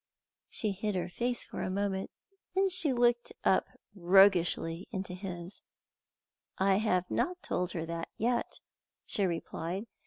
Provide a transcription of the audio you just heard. She hid her face for a moment, and then looked up roguishly into his. "I have not told her that yet!" she replied.